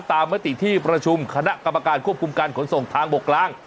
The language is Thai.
มติที่ประชุมคณะกรรมการควบคุมการขนส่งทางบกกลาง